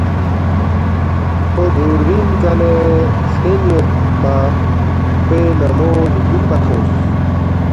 کھو دُوربین کلے ہلتین یودپا کھوے نمو بگیُوکپا تھونگس